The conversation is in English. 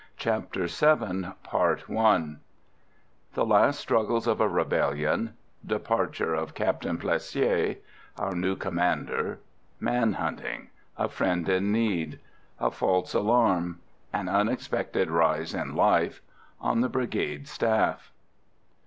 CHAPTER VII The last struggles of a rebellion Departure of Captain Plessier Our new commander Man hunting A friend in need A false alarm An unexpected rise in life On the Brigade Staff.